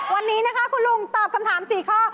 วันนี้นะคะคุณลุงตอบคำถาม๔ข้อ